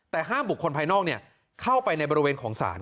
แต่ห้ามบุคคลภายนอกเข้าไปในบริเวณของศาล